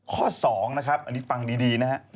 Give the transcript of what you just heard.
ข้อ๒นะครับอันนี้ฟังดีนะฮะ